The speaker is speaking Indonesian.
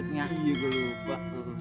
iya gua lupa